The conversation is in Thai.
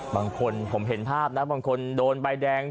บางคนผมเห็นภาพนะบางคนโดนใบแดง